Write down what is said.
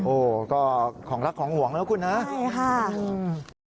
โอ๊ยก็ของรักของห่วงแล้วคุณนะฮะขอบคุณสุภัทรนะครับโอ๊ยดีต้อนรับ